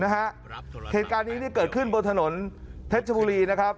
เหตุการณ์นี้เกิดขึ้นบนถนนเพชรบุรีนะครับ